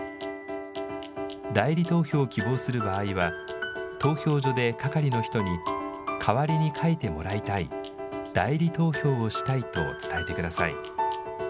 代理投票を希望する場合は、投票所で係の人に、代わりに書いてもらいたい、代理投票をしたいと伝えてください。